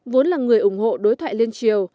vốn là người ủng hộ đối thoại lên triều